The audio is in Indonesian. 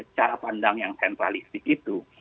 cara pandang yang sentralistik itu